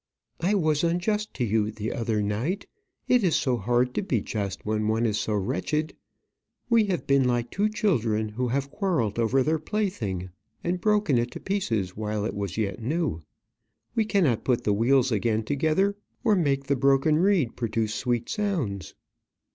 "I was unjust to you the other night. It is so hard to be just when one is so wretched. We have been like two children who have quarrelled over their plaything, and broken it in pieces while it was yet new. We cannot put the wheels again together, or made the broken reed produce sweet sounds."